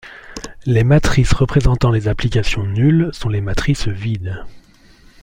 Les matrices représentant les applications nulles sont les matrices vides.